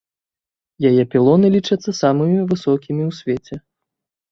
Яе пілоны лічацца самымі высокімі ў свеце.